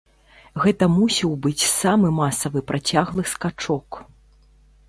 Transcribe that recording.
Гэта мусіў быць самы масавы працяглы скачок.